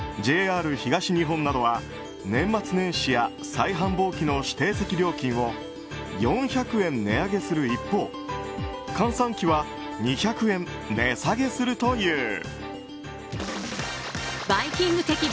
ＪＲ東日本などは、年末年始や最繁忙期の指定席料金を４００円値上げする一方閑散期は２００円値下げするという。